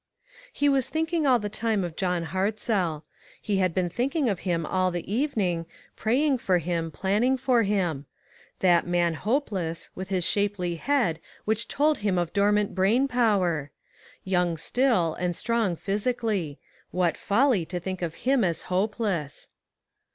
" He was thinking all the time of John Hartzell. He had been thinking of him all the evening, praying for him, planning for him. That man hopeless, with his shapely head, which told of dormant brain power ! Young still, and strong physically ; what folly to think of him as hopeless